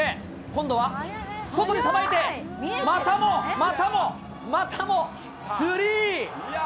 今度は外にさばいて、またも、またも、またもスリー。